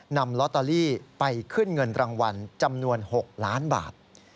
นำลอตเตอรี่ไปขึ้นเงินรางวัลจำนวน๖ล้านบาท